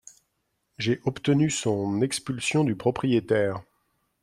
J’ai obtenu son expulsion du propriétaire.